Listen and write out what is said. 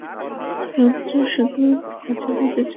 রঞ্জু শুধু মাঝে মাঝে জামা টান দিয়ে বলত, একটু আস্তে হাঁটো।